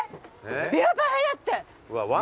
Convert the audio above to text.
び和パフェだって。